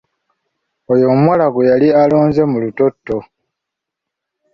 Oyo omuwala gwe yali alonze mu lutotto.